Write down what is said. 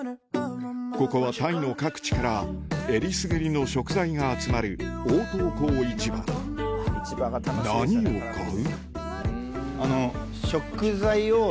ここはタイの各地からえりすぐりの食材が集まる何を買う？